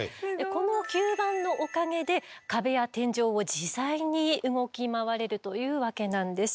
この吸盤のおかげで壁や天井を自在に動き回れるというわけなんです。